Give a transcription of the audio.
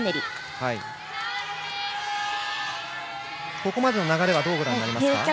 ここまでの流れはどうご覧になりますか？